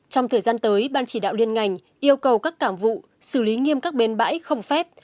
trong thời gian tới ban chỉ đạo liên ngành yêu cầu các cảng vụ xử lý nghiêm các bến bãi không phép